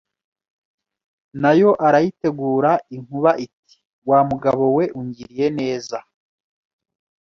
na yo arayitegura Inkuba iti Wa mugabo we ungiriye neza